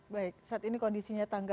baik saat ini kondisinya tangga